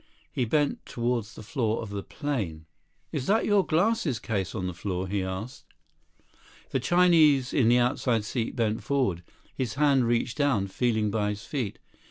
He bent toward the floor of the plane. "Is that your glasses case on the floor?" he asked. The Chinese in the outside seat bent forward. His hand reached down, feeling by his feet.